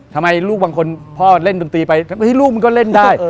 ทำไมลูกบางคนพ่อเล่นดนตรีไปลูกมันก็เล่นได้